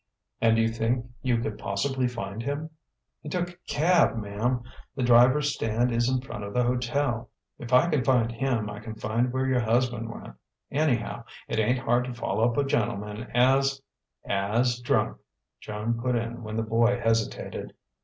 "And you think you could possibly find him?" "He took a cab, ma'm. The driver's stand is in front of the hotel. If I can find him, I can find where your husband went. Anyhow, it ain't hard to follow up a gentleman as " "As drunk!" Joan put in when the boy hesitated.